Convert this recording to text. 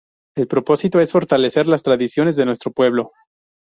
El propósito es fortalecer las tradiciones de nuestro pueblo.